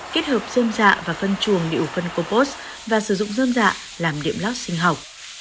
kết hợp dân dạ và phân chuồng liệu phân compost và sử dụng dân dạ làm điểm lót sinh học